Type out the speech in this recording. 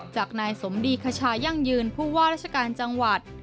จากนายสมดีขชายั่งยืนผู้ว่าราชการจังหวัด